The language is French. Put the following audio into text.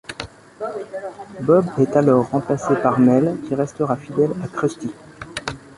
Bob est alors remplacé par Mel, qui restera fidèle à Krusty.